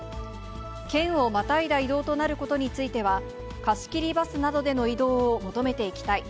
県をまたいだ移動となることについては、貸し切りバスなどでの移動を求めていきたい。